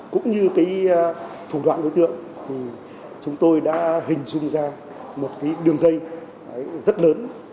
cũng như cái thủ đoạn đối tượng thì chúng tôi đã hình dung ra một cái đường dây rất lớn